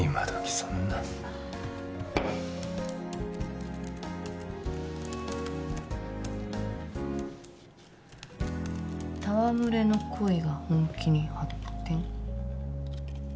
そんな「たわむれの恋が本気に発展」